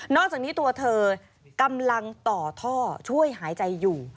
อกจากนี้ตัวเธอกำลังต่อท่อช่วยหายใจอยู่